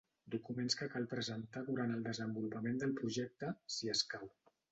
Documents que cal presentar durant el desenvolupament del projecte, si escau.